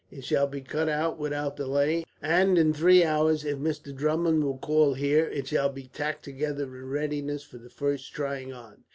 It shall be cut out without delay; and in three hours, if Mr. Drummond will call here, it shall be tacked together in readiness for the first trying on.